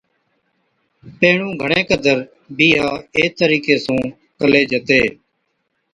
پيهڻُون گھڻي قدر بِيھا اي طريقي سُون ڪلِي جتي